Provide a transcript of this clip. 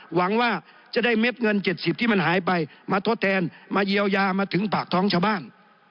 หวังว่าจะได้เม็ดเงิน๗๐ที่มันหายไปมาทดแทนมาเยียวยามาถึงปากท้องชาวบ้าน